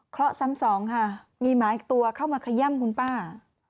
เคราะห์ซ้ำ๒มีหมาอีกตัวเข้ามาไข้ย่ำคุณป้า